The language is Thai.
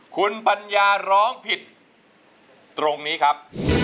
คุณปัญญาร้องผิดตรงนี้ครับ